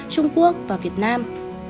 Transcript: trung quốc và việt nam